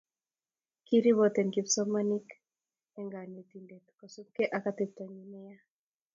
kirepoten kipsomaninik eng kanetindet kosupgei ak ateptonyi neya